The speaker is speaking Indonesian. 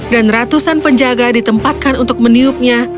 dan ratusan penjaga ditempatkan untuk meniupnya